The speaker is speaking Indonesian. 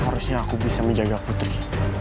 harusnya aku bisa menjaga putri